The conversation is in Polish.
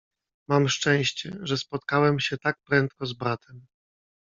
"Mam szczęście, że spotkałem się tak prędko z bratem."